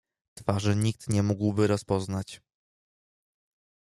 "Twarzy nikt nie mógłby rozpoznać."